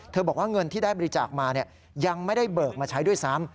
บอกว่าเงินที่ได้บริจาคมายังไม่ได้เบิกมาใช้ด้วยซ้ำ